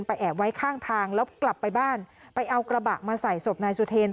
แอบไว้ข้างทางแล้วกลับไปบ้านไปเอากระบะมาใส่ศพนายสุเทรน